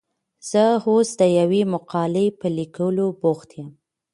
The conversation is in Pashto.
زه اوس د یوې مقالې په لیکلو بوخت یم.